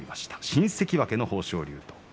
新関脇の豊昇龍。